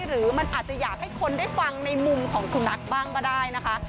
หรือมันอาจจะอยากให้คนได้ฟังในมุมของสุนัขบ้างก็ได้นะคะ